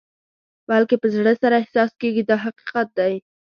بلکې په زړه سره احساس کېږي دا حقیقت دی.